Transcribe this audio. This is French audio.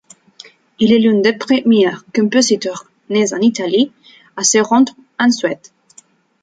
Il est l'un des premiers compositeurs nés en Italie à se rendre en Suède.